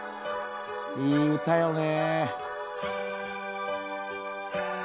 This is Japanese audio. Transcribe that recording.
いい歌よね